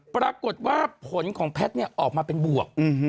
ปรากฏว่าผลของแพทย์ออกมาเป็นบวก